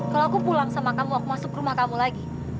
kalau aku pulang sama kamu masuk rumah kamu lagi